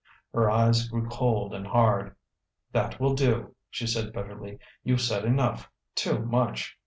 Her eyes grew cold and hard. "That will do," she said bitterly. "You've said enough too much.